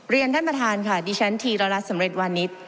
เรียนท่านประธานค่ะดิฉันธีรรัฐสำเร็จวานิส